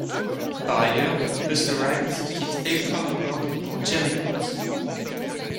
Par ailleurs, Busta Rhymes quitte Elektra Records pour J Records.